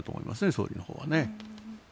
総理のほうはね。